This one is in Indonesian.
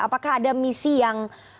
apakah ada misi yang